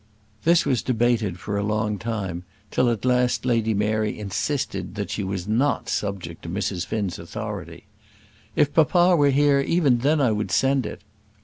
This was debated for a long time, till at last Lady Mary insisted that she was not subject to Mrs. Finn's authority. "If papa were here, even then I would send it."